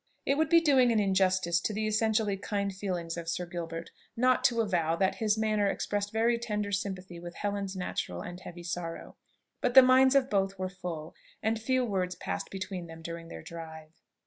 It would be doing an injustice to the essentially kind feelings of Sir Gilbert not to avow that his manner expressed very tender sympathy with Helen's natural and heavy sorrow: but the minds of both were full, and few words passed between them during their drive.